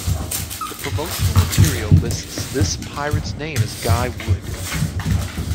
The promotional material lists this pirate's name as Guy Wood.